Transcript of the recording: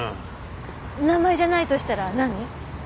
名前じゃないとしたら何？